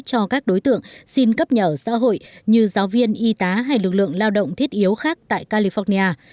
cho các đối tượng xin cấp nhà ở xã hội như giáo viên y tá hay lực lượng lao động thiết yếu khác tại california